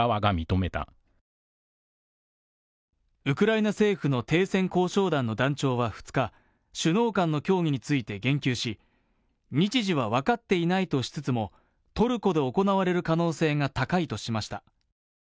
ウクライナ政府の停戦交渉団の団長は２日、首脳間の協議について言及し、日時は分かっていないとしつつもトルコで行われる可能性が高いとしました。